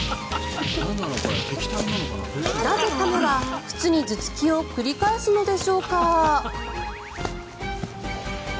なぜ亀は靴に頭突きを繰り返すのでしょうか。